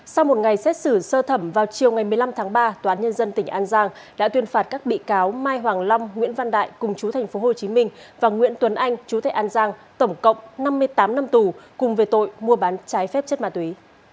sau một ngày xét xử sơ thẩm vào chiều ngày một mươi năm tháng ba tòa án nhân dân tỉnh an giang đã tuyên phạt các bị cáo mai hoàng long nguyễn văn đại cùng chú tp hcm và nguyễn tuấn anh chú thầy an giang tổng cộng năm mươi tám năm tù cùng về tội mua bán trái phép chất ma túy